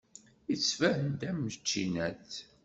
Yettban-d am tčinat.